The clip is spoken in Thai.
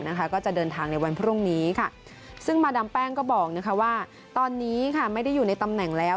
ก็จะเดินทางในวันพรุ่งนี้ค่ะซึ่งมาดามแป้งก็บอกว่าตอนนี้ค่ะไม่ได้อยู่ในตำแหน่งแล้ว